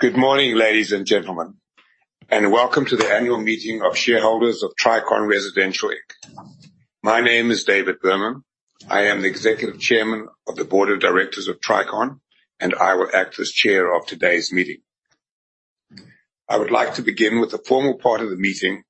Good morning, ladies and gentlemen, welcome to the annual meeting of shareholders of Tricon Residential Inc. My name is David Berman. I am the Executive Chairman of the Board of Directors of Tricon, and I will act as Chair of today's meeting. I would like to begin with the formal part of the meeting,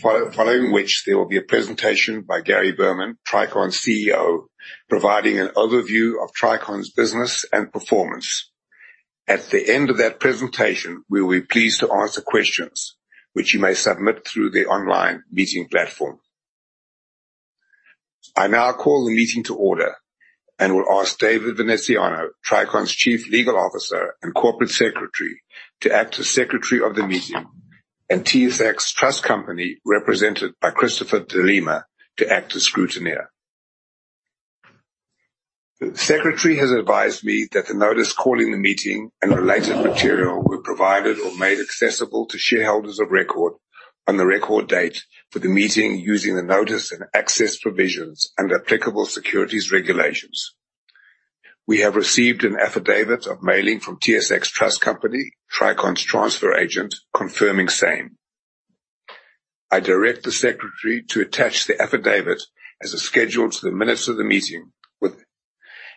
following which there will be a presentation by Gary Berman, Tricon's CEO, providing an overview of Tricon's business and performance. At the end of that presentation, we will be pleased to answer questions which you may submit through the online meeting platform. I now call the meeting to order and will ask David Veneziano, Tricon's Chief Legal Officer and Corporate Secretary, to act as Secretary of the meeting, and TSX Trust Company, represented by Christopher de Lima, to act as scrutineer. The Secretary has advised me that the notice calling the meeting and related material were provided or made accessible to shareholders of record on the record date for the meeting using the notice and access provisions and applicable securities regulations. We have received an affidavit of mailing from TSX Trust Company, Tricon's transfer agent, confirming same. I direct the secretary to attach the affidavit as a schedule to the minutes of the meeting.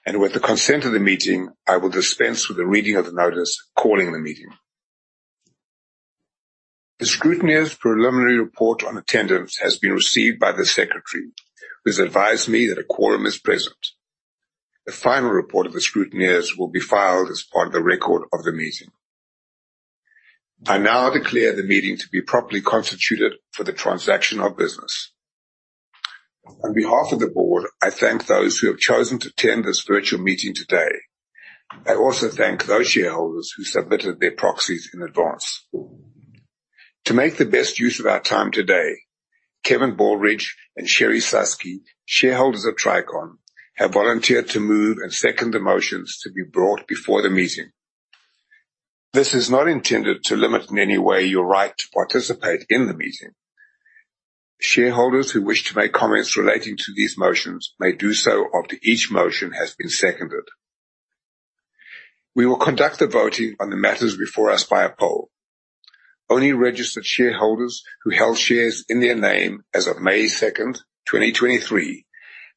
With the consent of the meeting, I will dispense with the reading of the notice calling the meeting. The scrutineer's preliminary report on attendance has been received by the Secretary, who has advised me that a quorum is present. The final report of the scrutineers will be filed as part of the record of the meeting. I now declare the meeting to be properly constituted for the transaction of business. On behalf of the board, I thank those who have chosen to attend this virtual meeting today. I also thank those shareholders who submitted their proxies in advance. To make the best use of our time today, Kevin Baldridge and Sherrie Suski, shareholders of Tricon, have volunteered to move and second the motions to be brought before the meeting. This is not intended to limit in any way your right to participate in the meeting. Shareholders who wish to make comments relating to these motions may do so after each motion has been seconded. We will conduct the voting on the matters before us by a poll. Only registered shareholders who held shares in their name as of May 2nd, 2023,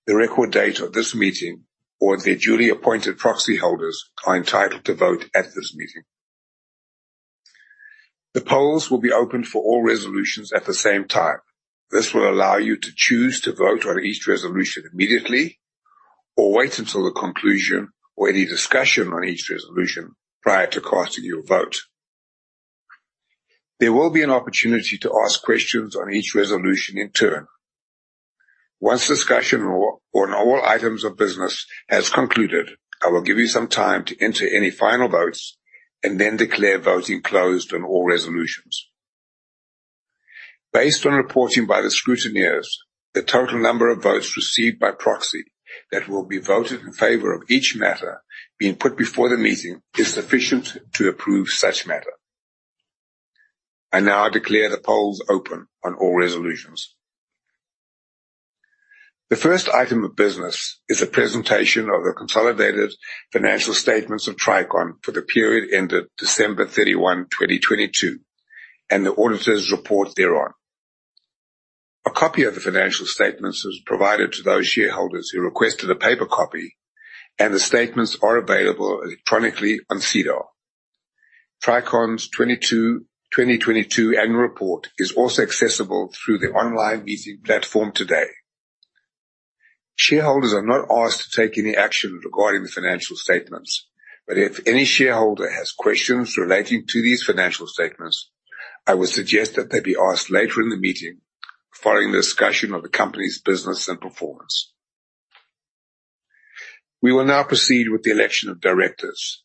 the record date of this meeting, or their duly appointed proxyholders, are entitled to vote at this meeting. The polls will be open for all resolutions at the same time. This will allow you to choose to vote on each resolution immediately or wait until the conclusion or any discussion on each resolution prior to casting your vote. There will be an opportunity to ask questions on each resolution in turn. Once discussion on all items of business has concluded, I will give you some time to enter any final votes and then declare voting closed on all resolutions. Based on reporting by the scrutineers, the total number of votes received by proxy that will be voted in favor of each matter being put before the meeting is sufficient to approve such matter. I now declare the polls open on all resolutions. The first item of business is a presentation of the consolidated financial statements of Tricon for the period ended December 31, 2022, and the auditor's report thereon. A copy of the financial statements was provided to those shareholders who requested a paper copy. The statements are available electronically on SEDAR. Tricon's 2022 annual report is also accessible through the online meeting platform today. Shareholders are not asked to take any action regarding the financial statements. If any shareholder has questions relating to these financial statements, I would suggest that they be asked later in the meeting following the discussion of the company's business and performance. We will now proceed with the election of directors.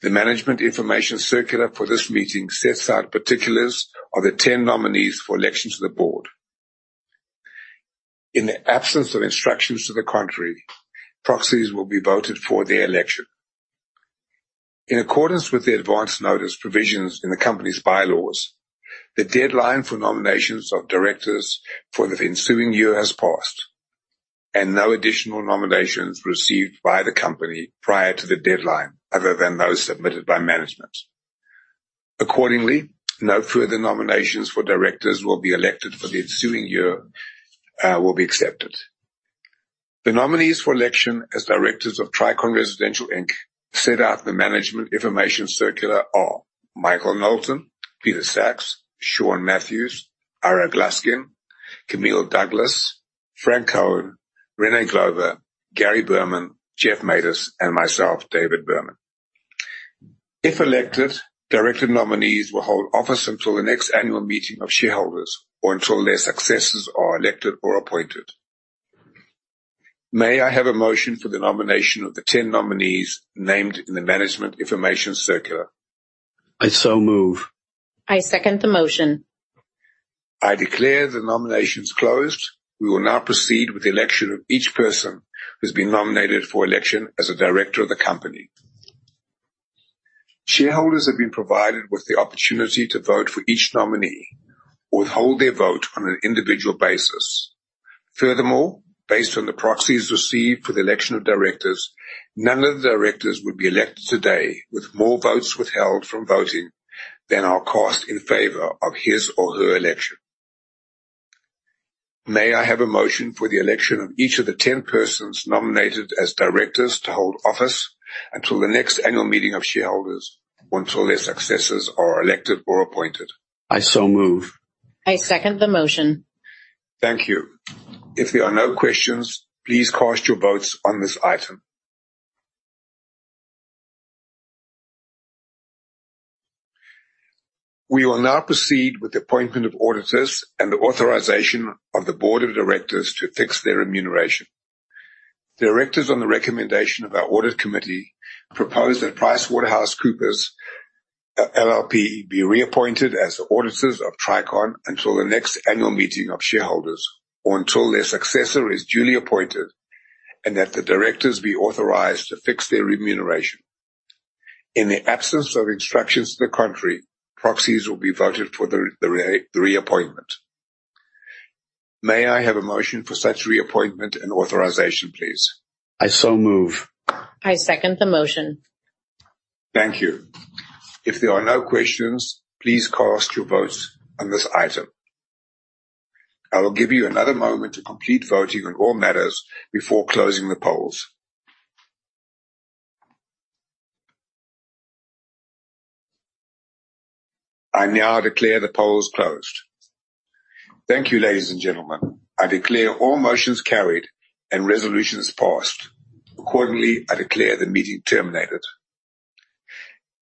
The Management Information Circular for this meeting sets out particulars of the 10 nominees for election to the board. In the absence of instructions to the contrary, proxies will be voted for their election. In accordance with the advance notice provisions in the company's bylaws, the deadline for nominations of directors for the ensuing year has passed, and no additional nominations were received by the company prior to the deadline other than those submitted by management. Accordingly, no further nominations for directors will be elected for the ensuing year will be accepted. The nominees for election as directors of Tricon Residential Inc set out in the Management Information Circular are Michael Knowlton, Peter Sacks, Siân Matthews, Ira Gluskin, Camille Douglas, Frank Cohen, Renée Glover, Gary Berman, Geoff Matus, and myself, David Berman. If elected, director nominees will hold office until the next annual meeting of shareholders or until their successors are elected or appointed. May I have a motion for the nomination of the 10 nominees named in the Management Information Circular? I so move. I second the motion. I declare the nominations closed. We will now proceed with the election of each person who's been nominated for election as a director of the company. Shareholders have been provided with the opportunity to vote for each nominee, withhold their vote on an individual basis. Furthermore, based on the proxies received for the election of directors, none of the directors would be elected today, with more votes withheld from voting than are cast in favor of his or her election. May I have a motion for the election of each of the 10 persons nominated as directors to hold office until the next annual meeting of shareholders, once all their successors are elected or appointed? I so move. I second the motion. Thank you. If there are no questions, please cast your votes on this item. We will now proceed with the appointment of auditors and the authorization of the board of directors to fix their remuneration. The directors, on the recommendation of our audit committee, propose that PricewaterhouseCoopers LLP be reappointed as the auditors of Tricon until the next annual meeting of shareholders or until their successor is duly appointed, and that the directors be authorized to fix their remuneration. In the absence of instructions to the contrary, proxies will be voted for the reappointment. May I have a motion for such reappointment and authorization, please? I so move. I second the motion. Thank you. If there are no questions, please cast your votes on this item. I will give you another moment to complete voting on all matters before closing the polls. I now declare the polls closed. Thank you, ladies and gentlemen. I declare all motions carried and resolutions passed. Accordingly, I declare the meeting terminated.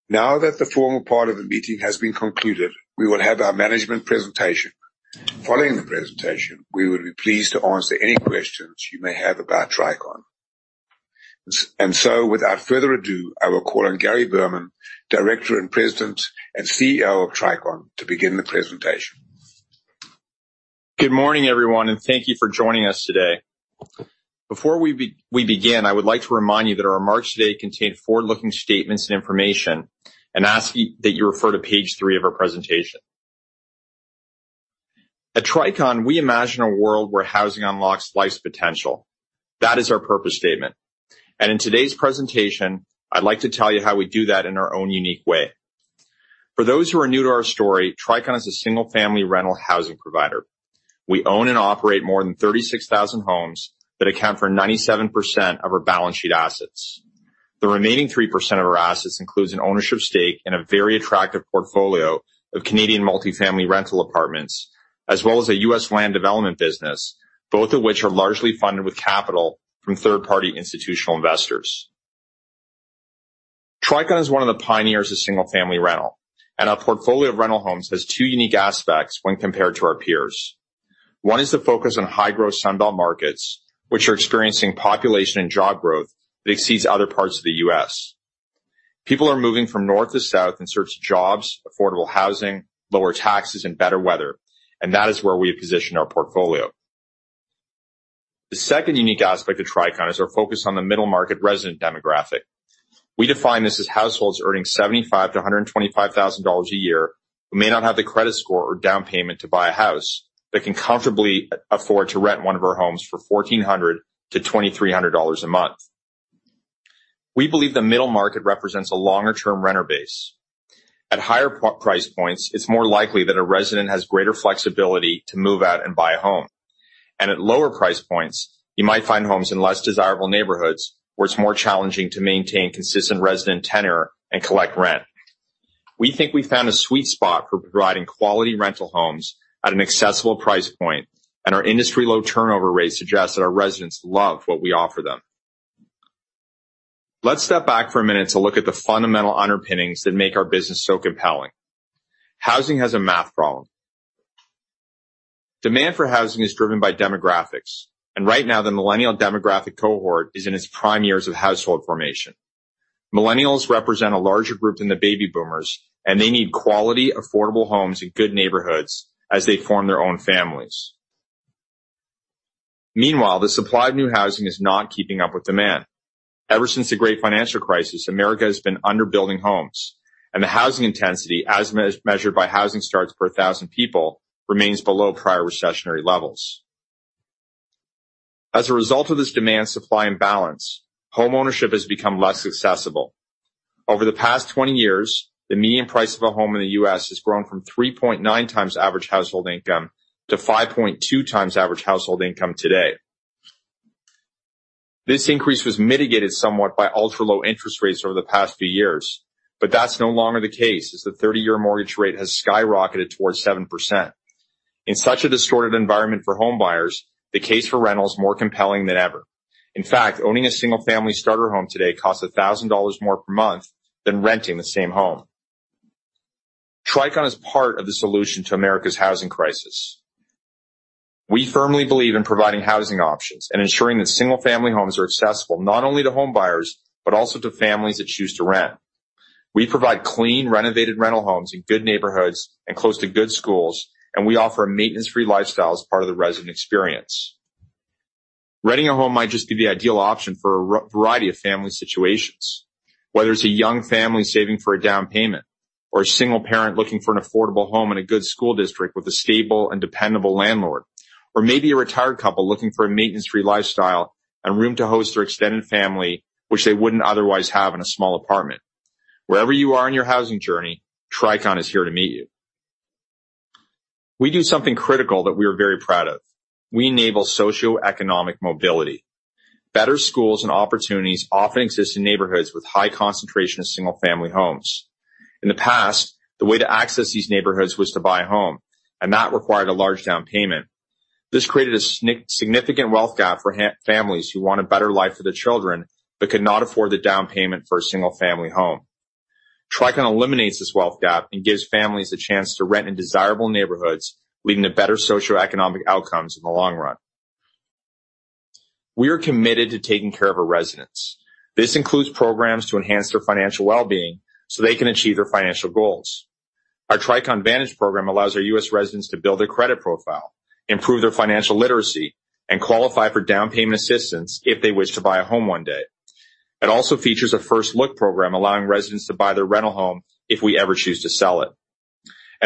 Now that the formal part of the meeting has been concluded, we will have our management presentation. Following the presentation, we will be pleased to answer any questions you may have about Tricon. Without further ado, I will call on Gary Berman, Director and President and CEO of Tricon, to begin the presentation. Good morning, everyone, and thank you for joining us today. Before we begin, I would like to remind you that our remarks today contain forward-looking statements and information and ask you that you refer to page three of our presentation. At Tricon, we imagine a world where housing unlocks life's potential. That is our purpose statement, and in today's presentation, I'd like to tell you how we do that in our own unique way. For those who are new to our story, Tricon is a single-family rental housing provider. We own and operate more than 36,000 homes that account for 97% of our balance sheet assets. The remaining 3% of our assets includes an ownership stake in a very attractive portfolio of Canadian multifamily rental apartments, as well as a U.S. land development business, both of which are largely funded with capital from third-party institutional investors. Tricon is one of the pioneers of single-family rental, and our portfolio of rental homes has two unique aspects when compared to our peers. One is the focus on high-growth Sun Belt markets, which are experiencing population and job growth that exceeds other parts of the U.S. People are moving from north to south in search of jobs, affordable housing, lower taxes, and better weather, and that is where we have positioned our portfolio. The second unique aspect of Tricon is our focus on the middle-market resident demographic. We define this as households earning $75,000-$125,000 a year, who may not have the credit score or down payment to buy a house, but can comfortably afford to rent one of our homes for $1,400-$2,300 a month. We believe the middle market represents a longer-term renter base. At higher price points, it's more likely that a resident has greater flexibility to move out and buy a home. At lower price points, you might find homes in less desirable neighborhoods, where it's more challenging to maintain consistent resident tenure and collect rent. We think we found a sweet spot for providing quality rental homes at an accessible price point, and our industry-low turnover rate suggests that our residents love what we offer them. Let's step back for a minute to look at the fundamental underpinnings that make our business so compelling. Housing has a math problem. Demand for housing is driven by demographics. Right now, the Millennial demographic cohort is in its prime years of household formation. Millennials represent a larger group than the Baby Boomers. They need quality, affordable homes in good neighborhoods as they form their own families. Meanwhile, the supply of new housing is not keeping up with demand. Ever since the Great Financial Crisis, America has been under-building homes, and the housing intensity, as measured by housing starts per 1,000 people, remains below prior recessionary levels. As a result of this demand-supply imbalance, homeownership has become less accessible. Over the past 20 years, the median price of a home in the U.S. has grown from 3.9 times average household income to 5.2 times average household income today. This increase was mitigated somewhat by ultra-low interest rates over the past few years, That's no longer the case, as the 30-year mortgage rate has skyrocketed towards 7%. In such a distorted environment for homebuyers, the case for rental is more compelling than ever. In fact, owning a single-family starter home today costs $1,000 more per month than renting the same home. Tricon is part of the solution to America's housing crisis. We firmly believe in providing housing options and ensuring that single-family homes are accessible not only to homebuyers but also to families that choose to rent. We provide clean, renovated rental homes in good neighborhoods and close to good schools, and we offer a maintenance-free lifestyle as part of the resident experience. Renting a home might just be the ideal option for a variety of family situations. Whether it's a young family saving for a down payment, or a single parent looking for an affordable home in a good school district with a stable and dependable landlord, or maybe a retired couple looking for a maintenance-free lifestyle and room to host their extended family, which they wouldn't otherwise have in a small apartment. Wherever you are in your housing journey, Tricon is here to meet you. We do something critical that we are very proud of. We enable socioeconomic mobility. Better schools and opportunities often exist in neighborhoods with high concentration of single-family homes. In the past, the way to access these neighborhoods was to buy a home, and that required a large down payment. This created a significant wealth gap for families who want a better life for their children, but could not afford the down payment for a single-family home. Tricon eliminates this wealth gap and gives families the chance to rent in desirable neighborhoods, leading to better socioeconomic outcomes in the long run. We are committed to taking care of our residents. This includes programs to enhance their financial well-being, so they can achieve their financial goals. Our Tricon Vantage program allows our U.S. residents to build a credit profile, improve their financial literacy, and qualify for down payment assistance if they wish to buy a home one day. It also features a first-look program, allowing residents to buy their rental home if we ever choose to sell it.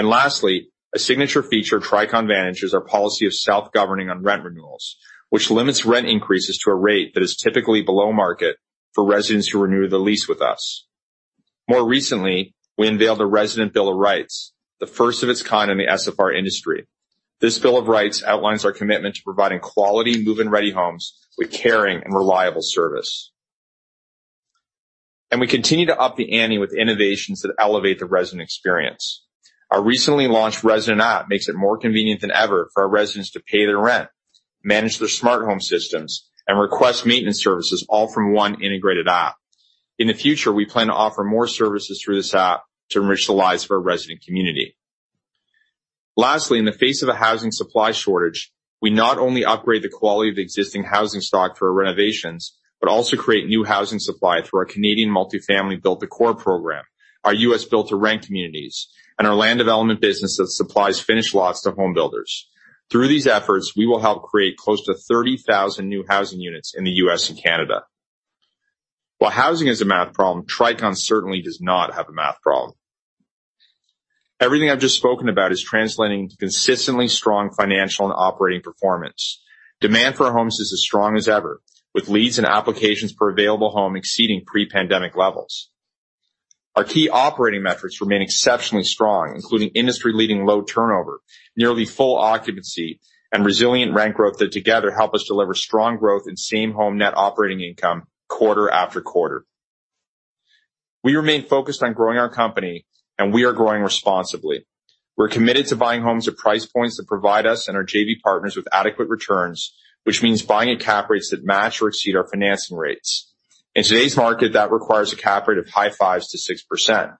Lastly, a signature feature of Tricon Vantage is our policy of self-governing on rent renewals, which limits rent increases to a rate that is typically below market for residents who renew their lease with us. More recently, we unveiled the Resident Bill of Rights, the first of its kind in the SFR industry. This Bill of Rights outlines our commitment to providing quality, move-in-ready homes with caring and reliable service. We continue to up the ante with innovations that elevate the resident experience. Our recently launched resident app makes it more convenient than ever for our residents to pay their rent, manage their smart home systems, and request maintenance services, all from one integrated app. In the future, we plan to offer more services through this app to enrich the lives of our resident community. Lastly, in the face of a housing supply shortage, we not only upgrade the quality of the existing housing stock through our renovations, but also create new housing supply through our Canadian multifamily Build to Core program, our U.S. Build-to-Rent communities, and our land development business that supplies finished lots to home builders. Through these efforts, we will help create close to 30,000 new housing units in the U.S. and Canada. While housing is a math problem, Tricon certainly does not have a math problem. Everything I've just spoken about is translating to consistently strong financial and operating performance. Demand for our homes is as strong as ever, with leads and applications per available home exceeding pre-pandemic levels. Our key operating metrics remain exceptionally strong, including industry-leading low turnover, nearly full occupancy, and resilient rent growth that together help us deliver strong growth in same home net operating income quarter after quarter. We remain focused on growing our company. We are growing responsibly. We're committed to buying homes at price points that provide us and our JV partners with adequate returns, which means buying at cap rates that match or exceed our financing rates. In today's market, that requires a cap rate of high 5%-6%.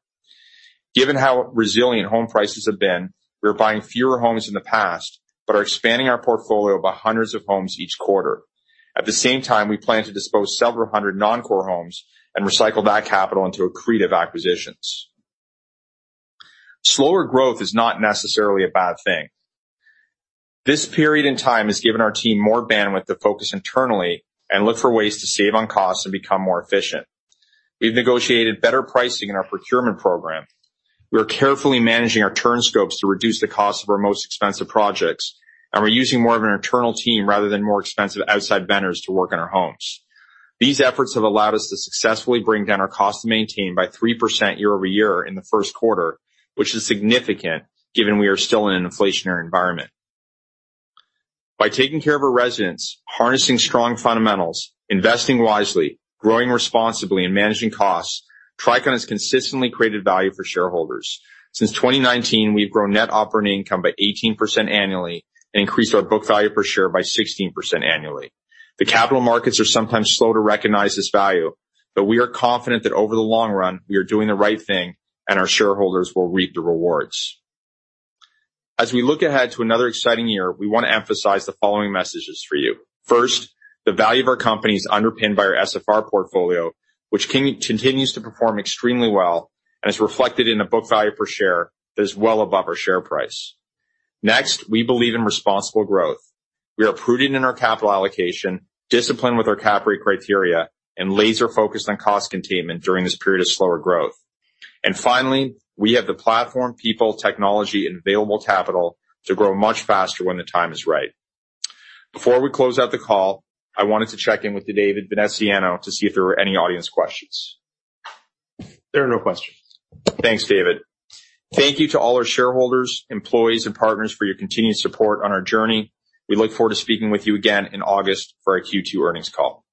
Given how resilient home prices have been, we're buying fewer homes in the past, but are expanding our portfolio by hundreds of homes each quarter. At the same time, we plan to dispose several hundred non-core homes and recycle that capital into accretive acquisitions. Slower growth is not necessarily a bad thing. This period in time has given our team more bandwidth to focus internally and look for ways to save on costs and become more efficient. We've negotiated better pricing in our procurement program. We are carefully managing our turn scopes to reduce the cost of our most expensive projects, and we're using more of an internal team rather than more expensive outside vendors to work on our homes. These efforts have allowed us to successfully bring down our cost to maintain by 3% year-over-year in the first quarter, which is significant, given we are still in an inflationary environment. By taking care of our residents, harnessing strong fundamentals, investing wisely, growing responsibly, and managing costs, Tricon has consistently created value for shareholders. Since 2019, we've grown net operating income by 18% annually and increased our book value per share by 16% annually. The capital markets are sometimes slow to recognize this value. We are confident that over the long run, we are doing the right thing and our shareholders will reap the rewards. As we look ahead to another exciting year, we want to emphasize the following messages for you. First, the value of our company is underpinned by our SFR portfolio, which continues to perform extremely well and is reflected in a book value per share that is well above our share price. Next, we believe in responsible growth. We are prudent in our capital allocation, disciplined with our cap rate criteria, and laser-focused on cost containment during this period of slower growth. Finally, we have the platform, people, technology, and available capital to grow much faster when the time is right. Before we close out the call, I wanted to check in with you, David Veneziano, to see if there were any audience questions. There are no questions. Thanks, David. Thank you to all our shareholders, employees, and partners for your continued support on our journey. We look forward to speaking with you again in August for our Q2 earnings call.